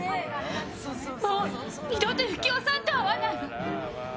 もう、二度と由岐雄さんと会わないわ。